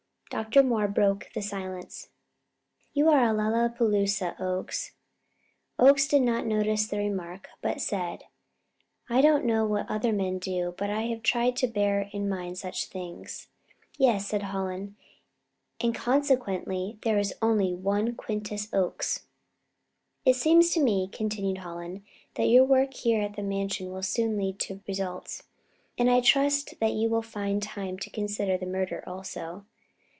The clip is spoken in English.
Dr. Moore broke the silence. "You are a lalapazooza, Oakes." Oakes did not notice the remark, but said: "I don't know what other men do, but I have tried to bear in mind such things." "Yes," said Hallen, "and consequently there is only one Quintus Oakes." "It seems to me," continued Hallen, "that your work here at the Mansion will soon lead to results, and I trust that you will find time to consider the murder also."